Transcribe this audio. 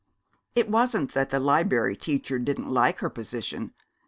It wasn't that the Liberry Teacher didn't like her position.